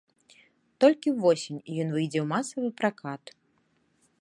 Толькі ўвосень ён выйдзе ў масавы пракат.